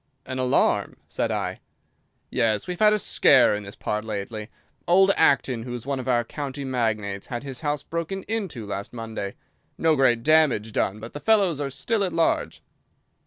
"An alarm!" said I. "Yes, we've had a scare in this part lately. Old Acton, who is one of our county magnates, had his house broken into last Monday. No great damage done, but the fellows are still at large."